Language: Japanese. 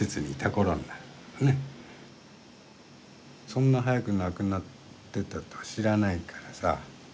そんな早く亡くなってたとは知らないからさ。